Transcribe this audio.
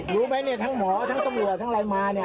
รู้ไหมเนี่ยทั้งหมอทั้งตำรวจทั้งอะไรมาเนี่ย